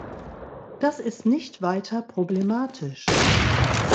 Das ist nicht weiter problematisch.